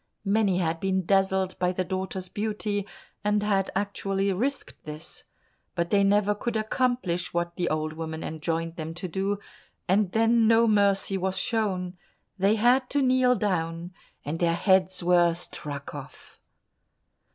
Many had been dazzled by the daughter's beauty, and had actually risked this, but they never could accomplish what the old woman enjoined them to do, and then no mercy was shown; they had to kneel down, and their heads were struck off.